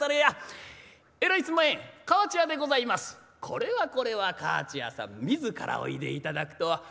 「これはこれは河内屋さん自らおいでいただくとは。